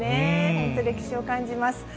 本当、歴史を感じます。